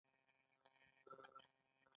تعلیق له دندې موقت انفصال ته وایي.